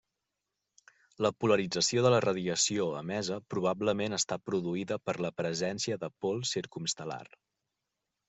La polarització de la radiació emesa probablement està produïda per la presència de pols circumestel·lar.